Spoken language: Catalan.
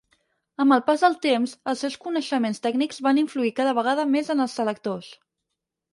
Amb el pas del temps, els seus coneixements tècnics van influir cada vegada més en els selectors.